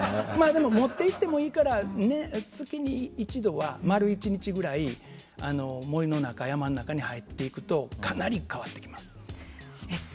持っていってもいいから月に一度は、丸１日ぐらい森の中、山の中に入っていくとかなり変わってきます。